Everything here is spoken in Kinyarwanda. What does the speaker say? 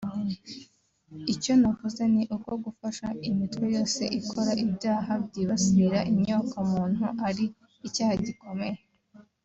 Icyo navuze ni uko gufasha imitwe yose ikora ibyaha byibasira inyoko muntu ari icyaha gikomeye